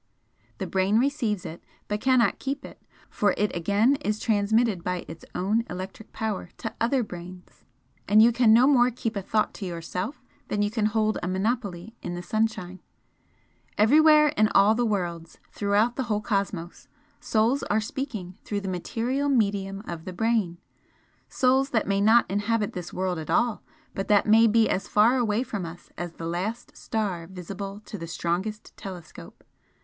The brain receives it, but cannot keep it for it again is transmitted by its own electric power to other brains, and you can no more keep a thought to yourself than you can hold a monopoly in the sunshine. Everywhere in all worlds, throughout the whole cosmos, Souls are speaking through the material medium of the brain, souls that may not inhabit this world at all, but that may be as far away from us as the last star visible to the strongest telescope.